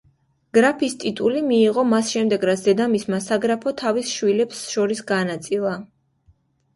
გრაფის ტიტული მიიღო მას შემდეგ, რაც დედამისმა საგრაფო თავის შვილებს შორის გაანაწილა.